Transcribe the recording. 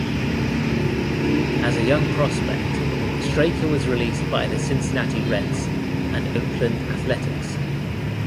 As a young prospect, Straker was released by the Cincinnati Reds and Oakland Athletics.